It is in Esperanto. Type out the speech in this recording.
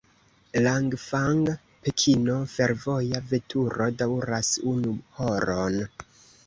Langfang-Pekino fervoja veturo daŭras unu horon.